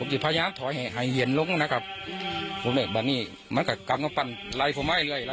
ผมจะพยายามถอยให้เหยียนลงนะครับผมเห็นบางนี้มันกับกลางก็ปั่นไล่ผมไว้เลย